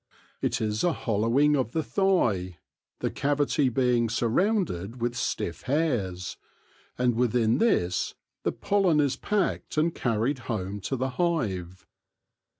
It is a hollowing of the thigh, the cavity being surrounded with stiff hairs ; and within this the pollen is packed and carried home to the hive.